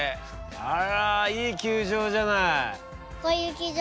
あらいい球場じゃない。